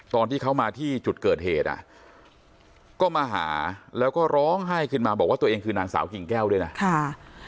ตอนที่เขามาที่จุดเกิดเหตุอ่ะก็มาหาแล้วก็ร้องไห้ขึ้นมาบอกว่าตัวเองคือนางสาวกิ่งแก้วด้วยนะค่ะ